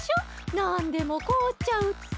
なんでもこおっちゃうって！